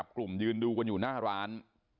กลุ่มยืนดูกันอยู่หน้าร้าน